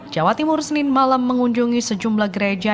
jawa timur senin malam mengunjungi sejumlah gereja